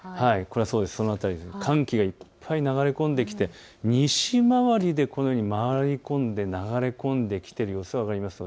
その辺りに寒気がいっぱい流れ込んできて西回りで回り込んで、流れ込んできている様子が分かります。